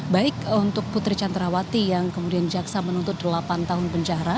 baik untuk putri candrawati yang kemudian jaksa menuntut delapan tahun penjara